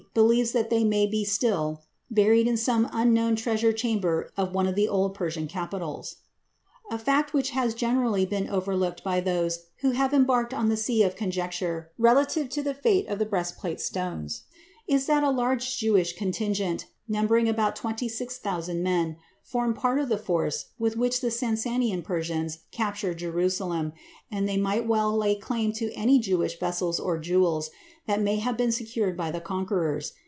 believes that they may be still "buried in some unknown treasure chamber of one of the old Persian capitals." A fact which has generally been overlooked by those who have embarked on the sea of conjecture relative to the fate of the breastplate stones is that a large Jewish contingent, numbering some twenty six thousand men, formed part of the force with which the Sassanian Persians captured Jerusalem, and they might well lay claim to any Jewish vessels or jewels that may have been secured by the conquerors.